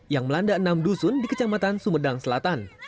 yang melanda enam dusun di kecamatan sumedang selatan